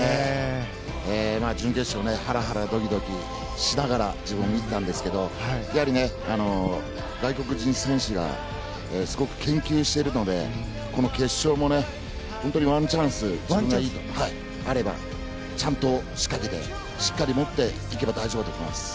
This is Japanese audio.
準決勝ハラハラドキドキしながら見ていたんですけどやはりね、外国人選手がすごく研究しているのでこの決勝も、ワンチャンスあればちゃんと仕掛けてしっかりもっていけばいいと大丈夫だと思います。